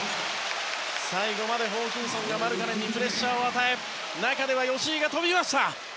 最後までホーキンソンがマルカネンにプレッシャーを与え中では吉井が飛びつきました。